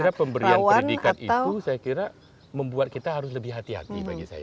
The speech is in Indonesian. karena pemberian pendidikan itu saya kira membuat kita harus lebih hati hati bagi saya